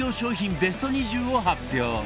ベスト２０を発表